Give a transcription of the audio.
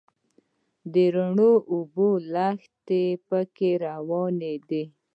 د رڼو اوبو لښتي په کې روان دي.